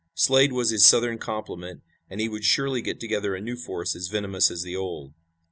Slade was his Southern complement, and he would surely get together a new force as venomous as the old.